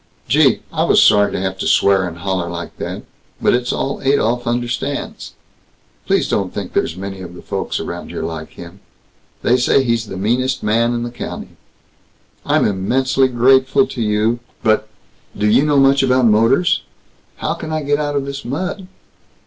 "Gee, I was sorry to have to swear and holler like that, but it's all Adolph understands. Please don't think there's many of the folks around here like him. They say he's the meanest man in the county." "I'm immensely grateful to you, but do you know much about motors? How can I get out of this mud?"